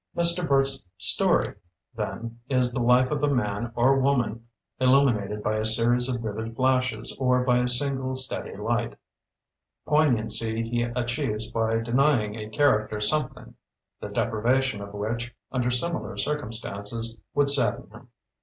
Mr. Burt's "story", then, is the life of a man or woman illuminated by a series of vivid flashes or by a single steady light. Poignancy he achieves by denying a character something, the deprivation of which, under similar circumstances, would sadden him.